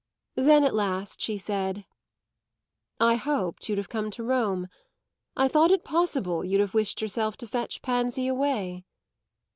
Then at last she said: "I hoped you'd have come to Rome. I thought it possible you'd have wished yourself to fetch Pansy away."